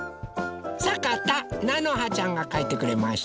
さかたなのはちゃんがかいてくれました。